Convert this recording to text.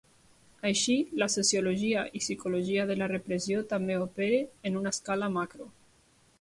Així, la sociologia i psicologia de la repressió també opera en una escala macro.